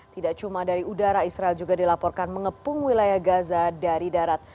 tidak cuma dari udara israel juga dilaporkan mengepung wilayah gaza dari darat